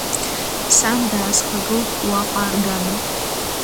Сан даасхагылт уаҟа аргама.